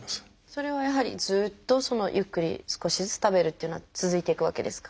それはやはりずっとゆっくり少しずつ食べるというのは続いていくわけですか？